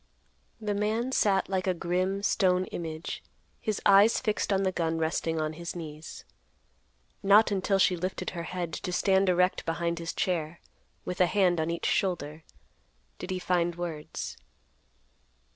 The man sat like a grim, stone image, his eyes fixed on the gun resting on his knees. Not until she lifted her head to stand erect behind his chair, with a hand on each shoulder, did he find words.